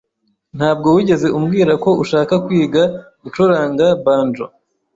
Ntabwo wigeze umbwira ko ushaka kwiga gucuranga banjo.